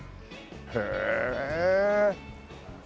へえ。